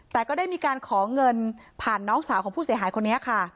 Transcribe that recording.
แต่ก็ได้มีการขอเงินผ่านน้องสาวของผู้เสียหายคนนี้ค่ะ